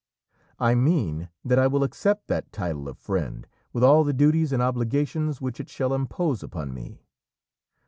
"I mean that I will accept that title of friend with all the duties and obligations which it shall impose upon me."